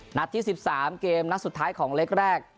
ที่๑๓เกมนัดสุดท้ายของเล็กแรก